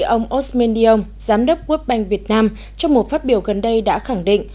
ông osmond young giám đốc world bank việt nam trong một phát biểu gần đây đã khẳng định